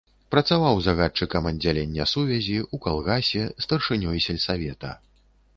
Працаваў загадчыкам аддзялення сувязі, у калгасе, старшынёй сельсавета.